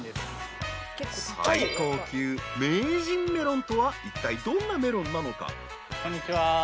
［最高級名人メロンとはいったいどんなメロンなのか？］